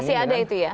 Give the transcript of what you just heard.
masih ada itu ya